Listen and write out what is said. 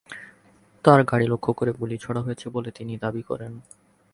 তাঁর গাড়ি লক্ষ্য করে গুলি ছোড়া হয়েছে বলে তিনি দাবি করেন।